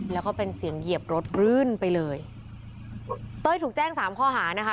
แล้วก็เป็นเสียงเหยียบรถรื่นไปเลยเต้ยถูกแจ้งสามข้อหานะคะ